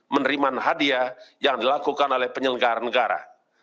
menerimaan hadiah yang dilakukan oleh penyelenggaran negara